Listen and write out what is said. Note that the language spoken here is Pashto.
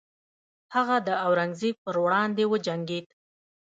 هغه د اورنګزیب پر وړاندې وجنګید.